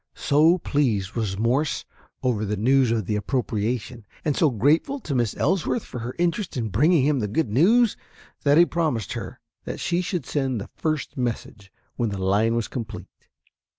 So pleased was Morse over the news of the appropriation, and so grateful to Miss Ellsworth for her interest in bringing him the good news, that he promised her that she should send the first message when the line was complete.